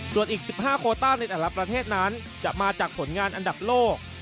ส่วนอีก๑๕โคต้าในแต่ละประเทศนั้นจะมาจากผลงานอันดับโลก